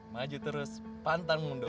maju terus pantang mundur